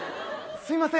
すいません。